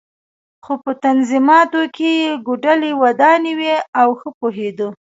خو په نظمیاتو کې یې کوډلۍ ودانې وې او ښه پوهېده.